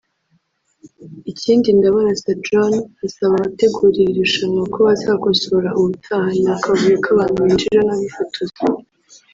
Ikindi Ndabarasa John asaba abategura iri rushanwa ko bazakosora ubutaha ni akavuyo k’abantu binjira n’abifotoza